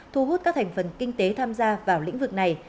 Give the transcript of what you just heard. thu hút các thành phần kinh tế tham gia vào lĩnh vực này